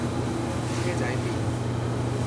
車仔麪